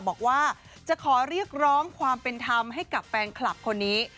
บอกว่าจะขอเรียกร้องความเป็นธรรมให้กับแฟนคลับคนนี้